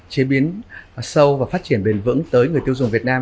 chế biến sâu và phát triển bền vững tới người tiêu dùng việt nam